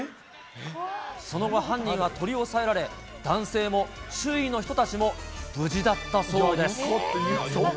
その後、犯人は取り押さえられ、男性も周囲の人たちも無事だったそうです。